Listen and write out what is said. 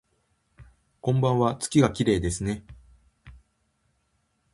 こんばんわ、月がきれいですね